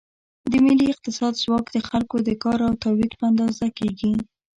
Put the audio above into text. د ملي اقتصاد ځواک د خلکو د کار او تولید په اندازه کېږي.